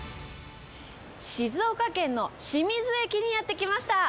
静岡県の清水駅にやって来ました。